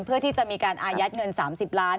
เพื่อที่จะมีการอายัดเงิน๓๐ล้าน